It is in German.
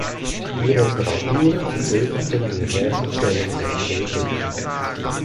Die Reparaturen verzögerten die Fertigstellung der Drehbrücke.